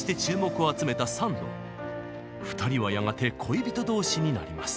２人はやがて恋人同士になります。